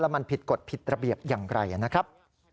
มันผิดกฎผิดระเบียบอย่างไรนะครับ